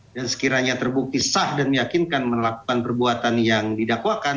dan sekiranya terbukti sah dan meyakinkan melakukan perbuatan yang didakwakan